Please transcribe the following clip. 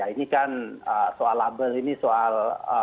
ini kan soal label ini soal